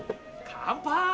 乾杯！